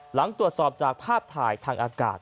หลังตรวจสอบจากภาพถ่ายทางอากาศ